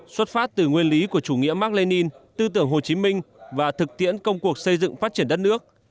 xuất phát từ nguyên lý của chủ nghĩa mark lenin tư tưởng hồ chí minh và thực tiễn công cuộc xây dựng phát triển đất nước